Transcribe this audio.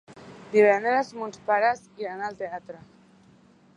Divendres mons pares iran al teatre.